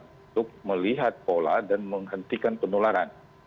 untuk melihat pola dan menghentikan penularan